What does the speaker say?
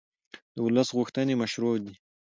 د ولس غوښتنې مشروع دي